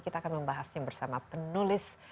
kita akan membahasnya bersama penulis